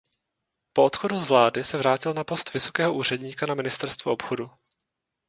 Po odchodu z vlády se vrátil na post vysokého úředníka na ministerstvu obchodu.